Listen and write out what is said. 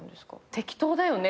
適当だよね。